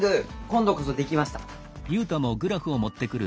今度こそ出来ました！